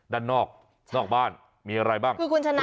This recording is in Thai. ด้านนอกนอกบ้านมีอะไรบ้าง